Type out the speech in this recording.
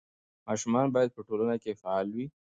ماشومان باید په ټولنه کې فعال وي.